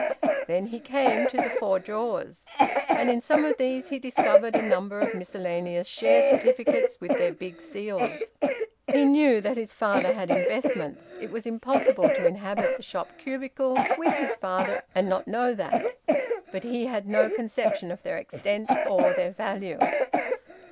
Then he came to the four drawers, and in some of these he discovered a number of miscellaneous share certificates with their big seals. He knew that his father had investments it was impossible to inhabit the shop cubicle with his father and not know that but he had no conception of their extent or their value.